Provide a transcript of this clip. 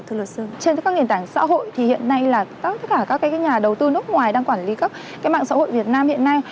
trên các nền tảng xã hội thì hiện nay là tất cả các nhà đầu tư nước ngoài đang quản lý các cái mạng xã hội việt nam hiện nay